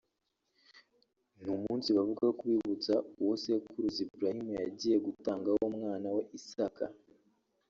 ni umunsi bavuga ko ubibutsa uwo sekuruza Ibrahim yagiye gutangaho umwana we Isaka